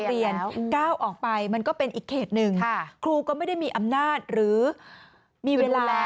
ฟังเสียงคุณแม่และก็น้องที่เสียชีวิตค่ะ